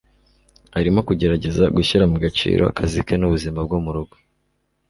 Arimo kugerageza gushyira mu gaciro akazi ke nubuzima bwo murugo.